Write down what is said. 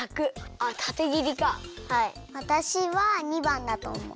わたしは②ばんだとおもう。